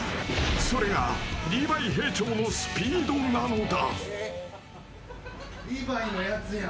それがリヴァイ兵長のスピードなのだ。